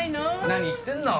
何言ってんの！